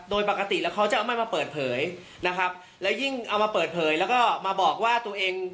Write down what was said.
โดยปกติแล้วเขาจะเอาไม่มาเปิดเผยนะครับแล้วยิ่งเอามาเปิดเผยแล้วก็มาบอกว่าตัวเอง